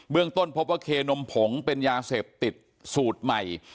ต้นพบว่าเคนมผงเป็นยาเสพติดสูตรใหม่